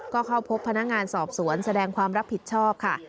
ก็เข้าพบพนักงานสอบสวนแสดงความรับผิดชอบค่ะ